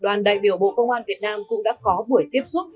đoàn đại biểu bộ công an việt nam cũng đã có buổi tiếp xúc